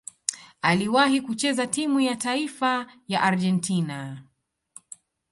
Aliwahi kucheza timu ya taifa ya Argentina.